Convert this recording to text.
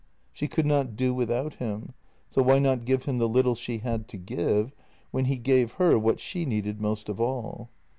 She could not do without him, so why not give him the little she had to give, when he gave her what she needed most of all?